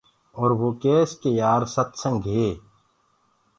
اور وو ڪيس ڪي يآر ستسنگ هي۔